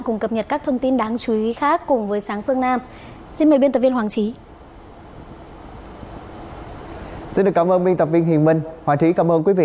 cùng cập nhật các thông tin đáng chú ý khác